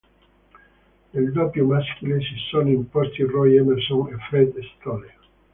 Nel doppio maschile si sono imposti Roy Emerson e Fred Stolle.